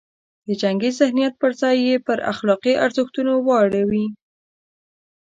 د جنګي ذهنیت پر ځای یې پر اخلاقي ارزښتونو واړوي.